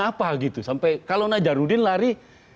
apa gitu sampai kalau najarudin lari